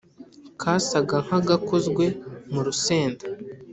Kasaga nka gakozwe murusenda